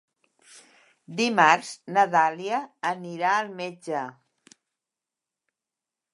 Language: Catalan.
Dimarts na Dàlia anirà al metge.